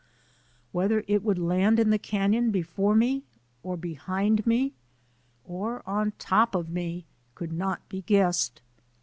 Whether it would land in the canon before me or behind me or on top of me could not be guessed.